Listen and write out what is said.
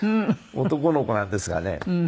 男の子なんですがね